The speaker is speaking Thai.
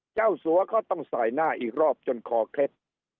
สัวก็ต้องใส่หน้าอีกรอบจนคอเคล็ด